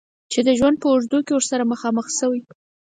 چې د ژوند په اوږدو کې ورسره مخامخ شوی.